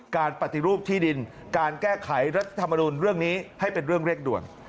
ปฏิรูปที่ดินการแก้ไขรัฐธรรมนุนเรื่องนี้ให้เป็นเรื่องเร่งด่วน